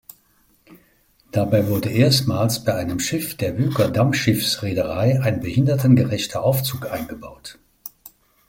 Dabei wurde erstmals bei einem Schiff der Wyker Dampfschiffs-Reederei ein behindertengerechter Aufzug eingebaut.